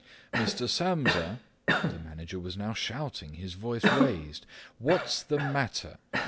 "Mr. Samsa," the manager was now shouting, his voice raised, "what's the matter?